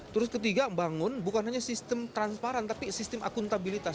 terus ketiga bangun bukan hanya sistem transparan tapi sistem akuntabilitas